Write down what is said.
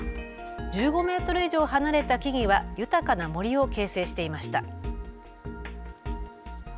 １５メートル以上離れた木々は豊かな森を形成していました。